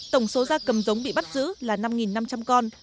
tổng số gia cầm giống bị bắt giữ là năm năm trăm linh con